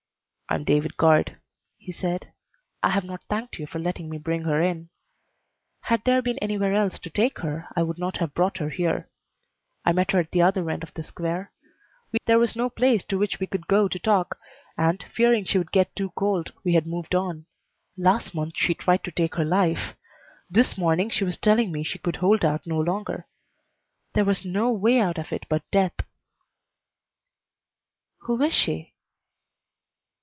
"I am David Guard," he said. "I have not thanked you for letting me bring her in. Had there been anywhere else to take her, I would not have brought her here. I met her at the other end of the Square. We had been standing for some while, talking. There was no place to which we could go to talk, and, fearing she would get too cold, we had moved on. Last month she tried to take her life. This morning she was telling me she could hold out no longer. There was no way out of it but death." "Who is she?"